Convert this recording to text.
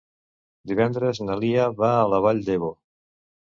Divendres na Lia va a la Vall d'Ebo.